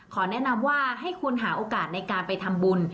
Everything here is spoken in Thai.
แนะนำว่าให้คุณหาโอกาสในการไปทำบุญ